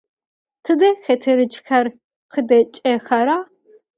Tıde xeterıç'xer khıdaç'exera?